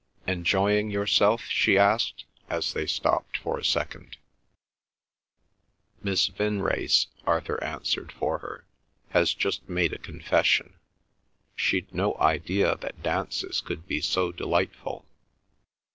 "Enjoying yourself?" she asked, as they stopped for a second. "Miss Vinrace," Arthur answered for her, "has just made a confession; she'd no idea that dances could be so delightful."